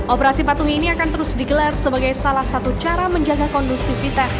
operasi patuhi ini akan terus digelar sebagai salah satu cara menjaga kondusivitas